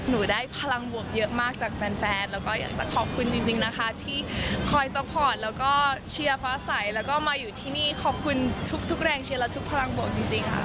หนูได้พลังบวกเยอะมากจากแฟนแล้วก็อยากจะขอบคุณจริงนะคะที่คอยซัพพอร์ตแล้วก็เชียร์ฟ้าใสแล้วก็มาอยู่ที่นี่ขอบคุณทุกแรงเชียร์และทุกพลังบวกจริงค่ะ